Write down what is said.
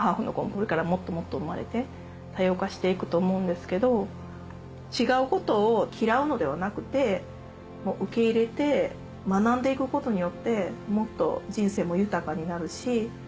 これからもっともっと生まれて多様化していくと思うんですけど違うことを嫌うのではなくて受け入れて学んでいくことによってもっと人生も豊かになるし。